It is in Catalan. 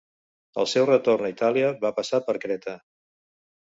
Al seu retorn a Itàlia va passar per Creta.